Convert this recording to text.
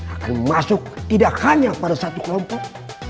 akan masuk tidak hanya pada satu kelompok